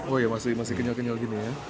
oh iya masih kenyal kenyal gini ya